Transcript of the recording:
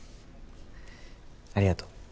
ありがとう。